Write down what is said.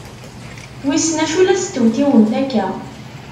Wissen acu la testewtiwemt akka!